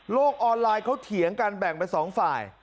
ออนไลน์เขาเถียงกันแบ่งเป็นสองฝ่าย